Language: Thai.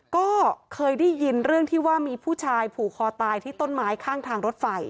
ก็เคยได้ยินเรื่องที่ว่ามีผู้ชายผูกคอตายที่ต้นไม้ข้างทางรถไฟ